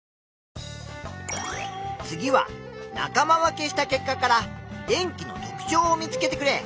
次は仲間分けした結果から電気の特ちょうを見つけてくれ。